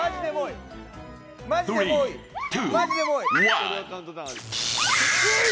マジで、もういい。